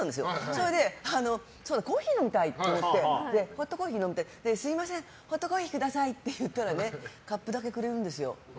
それでコーヒー飲みたいって言ってホットコーヒー飲みたいと思ってすみませんホットコーヒーくださいって言ったらねカップだけくれるんですよ。